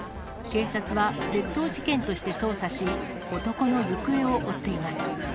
警察は窃盗事件として捜査し、男の行方を追っています。